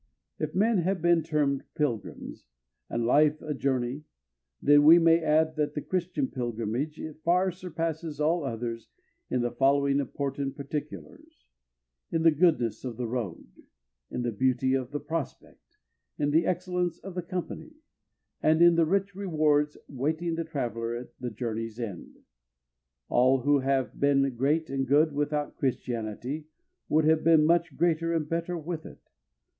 If men have been termed pilgrims, and life a journey, then we may add that the Christian pilgrimage far surpasses all others in the following important particulars: In the goodness of the road; in the beauty of the prospect; in the excellence of the company, and in the rich rewards waiting the traveler at the journey's end. All who have been great and good without Christianity would have been much greater and better with it.